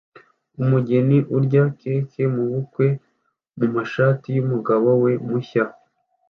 Umugeni urya cake yubukwe mumashati yumugabo we mushya